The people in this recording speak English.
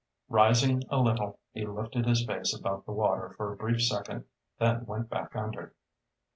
Rising a little, he lifted his face above the water for a brief second, then went back under.